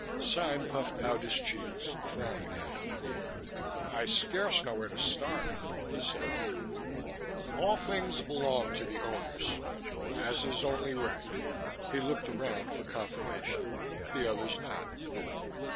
Sime puffed out his cheeks, frowning at me. "I scarce know where to start," he said. "All things belong to the Owners ... as is only right." He looked around for confirmation. The others nodded.